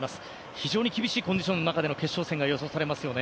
非常に厳しいコンディションの中での決勝戦が予想されますよね。